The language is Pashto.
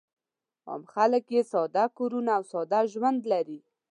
عام خلک یې ساده کورونه او ساده ژوند لري.